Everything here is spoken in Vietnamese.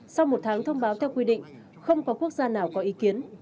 sau một tháng thông báo theo quy định không có quốc gia nào có ý kiến